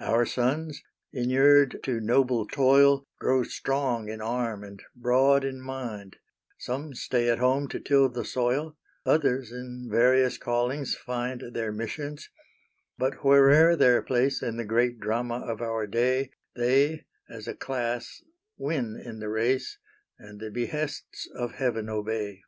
Our sons, inured to noble toil, Grow strong in arm and broad in mind; Some stay at home to till the soil, Others in various callings find Their missions but where'er their place In the great drama of our day, They, as a class, win in the race, And the behests of Heaven obey.